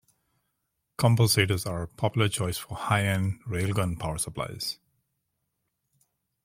Compulsators are popular choices for high-end railgun power supplies.